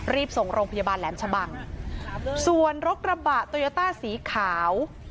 รีบส่งโรงพยาบาลแหลมชะบังส่วนรกระบะสีขาว